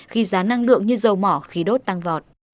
khi giá năng lượng như dầu mỏ khí đốt tăng vọt